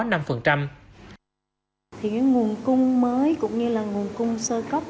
thì nguồn cung mới cũng như là nguồn cung sơ cấp